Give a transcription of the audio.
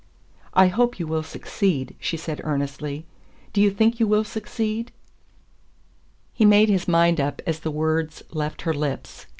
"I hope you will succeed," she said earnestly. "Do you think you will succeed?" He made his mind up as the words left her lips.